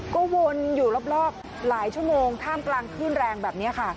ก็วนอยู่รอบหลายชั่วโมงท่ามกลางขึ้นแรงแบบนี้ค่ะ